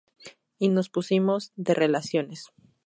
Y nos pusimos de relaciones.